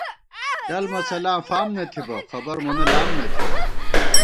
ڈل مسَلاں فام نہ تھِبہ ، خبر مونہ لام نہ تھِبہ